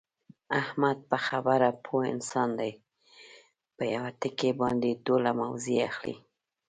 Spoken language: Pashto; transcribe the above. احمد په خبره پوه انسان دی، په یوه ټکي باندې ټوله موضع اخلي.